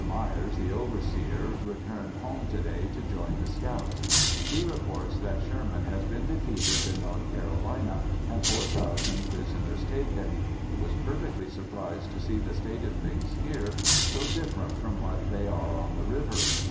Myers (the overseer) returned home to day to join the scouts. He reports that Sherman has been defeated in N. C. and four thousand prisoners taken. He was perfectly surprised to see the state of things here, so different from what they are on the river.